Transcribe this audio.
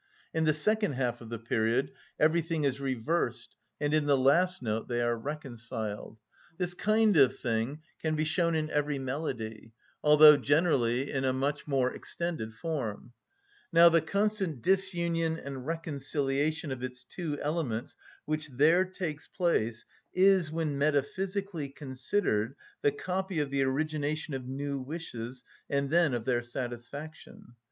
In the second half of the period everything is reversed, and in the last note they are reconciled. This kind of thing can be shown in every melody, although generally in a much more extended form. Now the constant disunion and reconciliation of its two elements which there takes place is, when metaphysically considered, the copy of the origination of new wishes, and then of their satisfaction.